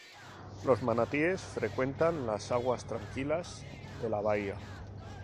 Los manatíes frecuentan las aguas tranquilas de la bahía.